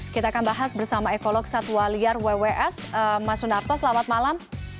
kita akan bahas bersama ekolog satwa liar wwf mas sunarto selamat malam